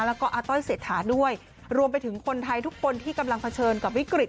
แล้วก็อาต้อยเศรษฐาด้วยรวมไปถึงคนไทยทุกคนที่กำลังเผชิญกับวิกฤต